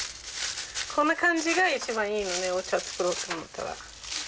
こんな感じが一番いいのねお茶作ろうと思ったら。